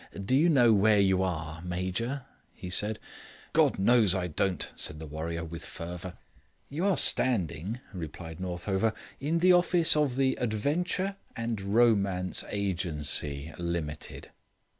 "Do you know where you are, Major?" he said. "God knows I don't," said the warrior, with fervour. "You are standing," replied Northover, "in the office of the Adventure and Romance Agency, Limited."